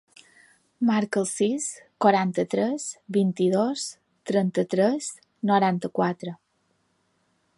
Marca el sis, quaranta-tres, vint-i-dos, trenta-tres, noranta-quatre.